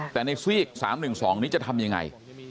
แต่ในซีก๓๑๒จะทำอย่างไร